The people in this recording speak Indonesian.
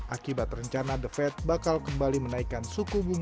akibat rencana the fed bakal kembali menaikkan suku bunga